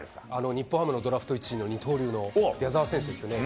日本ハムのドラフト１位の二刀流の矢澤選手ですよね。